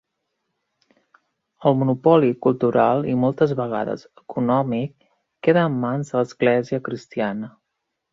El monopoli cultural, i moltes vegades econòmic, queda en mans de l'Església cristiana.